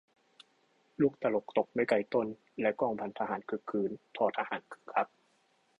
ลูกตลกตกไม่ไกลต้น และกองพันทหารครึกครื้น ททหารคึกคัก